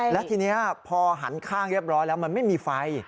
และทีนี้พอหันข้างเรียบร้อยแล้วมันไม่มีไฟ